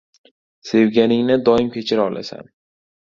• Sevganingni doim kechira olasan.